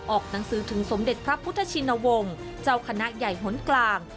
หนังสือถึงสมเด็จพระพุทธชินวงศ์เจ้าคณะใหญ่หนกลาง